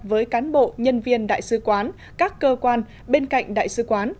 với cán bộ nhân viên đại sứ quán các cơ quan bên cạnh đại sứ quán